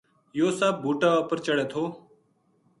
یوہ سپ بوٹا اپر چڑھے تھو